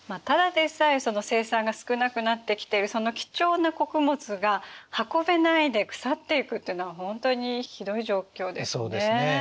ただでさえ生産が少なくなってきてるその貴重な穀物が運べないで腐っていくというのは本当にひどい状況ですね。